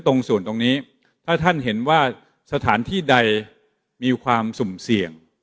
ตรงส่วนตรงนี้ถ้าท่านเห็นว่าสถานที่ใดมีความสุ่มเสี่ยง